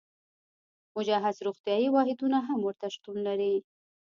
مجهز روغتیايي واحدونه هم ورته شتون لري.